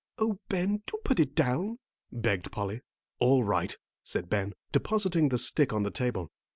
"Oh, Ben, do put it down," begged Polly. "All right," said Ben, depositing the stick on the table.